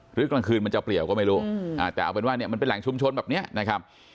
กลางคืนมันจะเปลี่ยวก็ไม่รู้แต่เอาเป็นว่าเนี่ยมันเป็นแหล่งชุมชนแบบนี้นะครับ